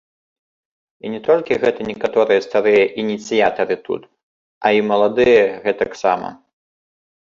І не толькі гэта некаторыя старыя ініцыятары тут, а і маладыя гэтаксама!